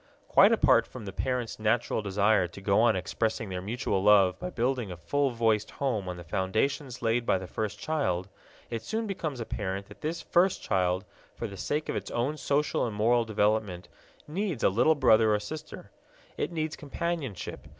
Quite apart from the parents' natural desire to go on expressing their mutual love by building a full voiced home on the foundations laid by the first child, it soon becomes apparent that this first child, for the sake of its own social and moral development, needs a little brother or sister. It needs companionship.